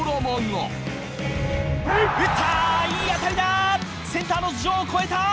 いい当たりだセンターの頭上を越えた！